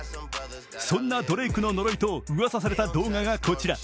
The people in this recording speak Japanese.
そんなドレイクの呪いとうわさされた動画がこちら。